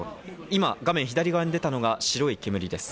今、画面左側に出たのが白い煙です。